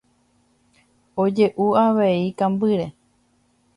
Oje'u avei kambýre.